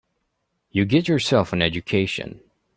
You get yourself an education.